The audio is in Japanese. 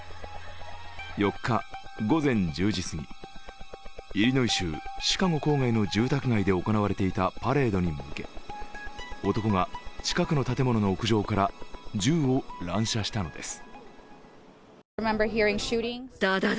４日、午前１０時すぎイリノイ州シカゴ郊外で行われていたパレードに向け男が近くの建物の屋上から銃を乱射したのです。